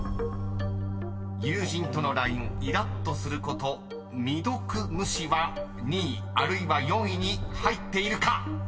［友人とのＬＩＮＥイラッとすること未読無視は２位あるいは４位に入っているか］